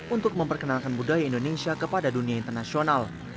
untuk memperkenalkan budaya indonesia kepada dunia internasional